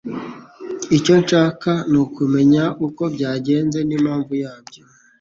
Icyo nshaka nukumenya uko byagenze n'impamvu yabyo.